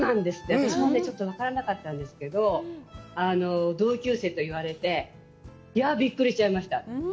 私、ちょっと分からなかったんですけど、同級生と言われて、いや、びっくりしちゃいました。